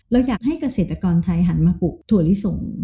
เราอยากให้เกษตรกรไทยหันมาปลูกถั่วลิสง